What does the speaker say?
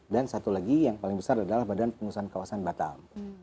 dan satu lagi yang paling besar adalah badan pengurusan kawasan batam